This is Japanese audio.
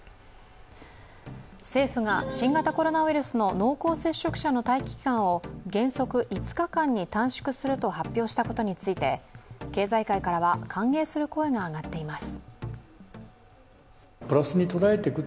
政府が新型コロナウイルスの濃厚接触者の待機期間を原則５日間に短縮すると発表したことについて経済界からは歓迎する声が上がっています。